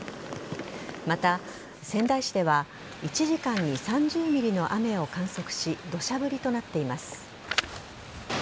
また、仙台市では１時間に３０ｍｍの雨を観測し土砂降りとなっています。